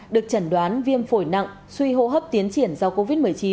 được chẩn đoán viêm phổi nặng suy hô hấp tiến triển do covid một mươi chín